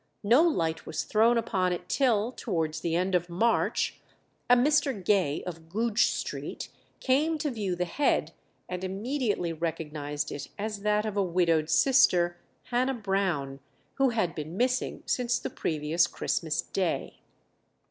No light was thrown upon it till, towards the end of March, a Mr. Gay of Goodge Street came to view the head, and immediately recognized it as that of a widowed sister, Hannah Brown, who had been missing since the previous Christmas Day.